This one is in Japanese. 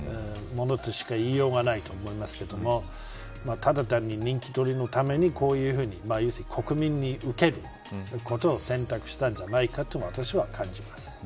ものとしか言いようがないと思いますけどもただ単に、人気取りのためにこういうふうに国民に受けることを選択したんじゃないかと私は感じます。